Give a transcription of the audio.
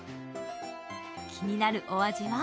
気になるお味は？